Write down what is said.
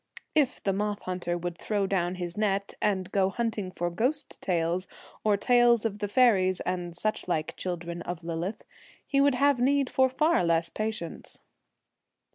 If the moth hunter would throw down his net, and go hunting for ghost tales or tales of the faeries and such like children of Lillith, he would have need for far less patience.